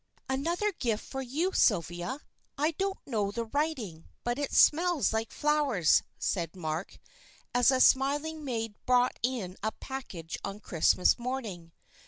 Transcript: "Another gift for you, Sylvia. I don't know the writing, but it smells like flowers," said Mark, as a smiling maid brought in a package on Christmas morning.